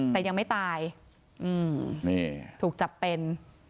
แต่ยังไม่ตายนี่ถูกจับเป็น